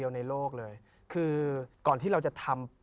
พระพุทธพิบูรณ์ท่านาภิรม